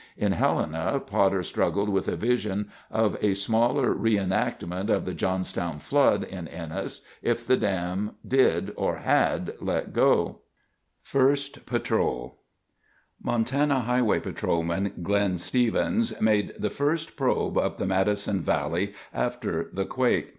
In Helena, Potter struggled with a vision of a smaller re enactment of the Johnstown Flood in Ennis if the dam did, or had, let go. [Illustration: (Montana Highway Commission)] FIRST PATROL Montana Highway Patrolman Glen Stevens made the first probe up the Madison Valley after the quake.